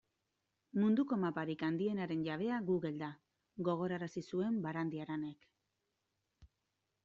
Munduko maparik handienaren jabea Google da, gogorarazi zuen Barandiaranek.